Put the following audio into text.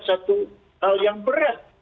satu hal yang berat